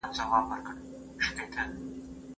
د ارغنداب سیند شتون کرهڼیز صنعت ته وده ورکړي